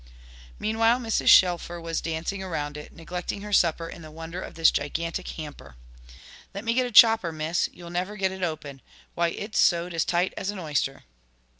Meanwhile Mrs. Shelfer was dancing around it, neglecting her supper in the wonder of this gigantic hamper. "Let me get a chopper, Miss, you'll never get it open. Why it's sewed as tight as an oyster."